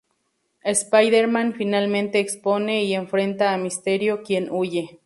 Spider-Man finalmente expone y se enfrenta a Mysterio, quien huye.